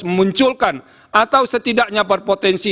memunculkan atau setidaknya berpotensi